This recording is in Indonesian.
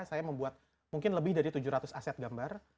saya membuat mungkin lebih dari tujuh ratus aset gambar